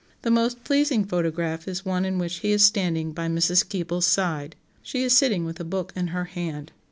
The most pleasing photograph is one in which he is standing by Mrs. Keble's side; she is sitting with a book in her hand.